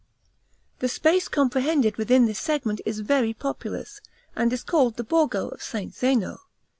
The space comprehended within this segment is very populous, and is called the Borgo of St. Zeno.